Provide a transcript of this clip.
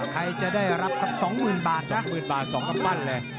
ใครจะได้รับครับสองหมื่นบาทสองหมื่นบาทสองกับปั้นแหละ